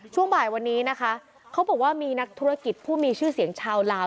ช่วงบ่ายวันนี้นะคะเขาบอกว่ามีนักธุรกิจผู้มีชื่อเสียงชาวลาว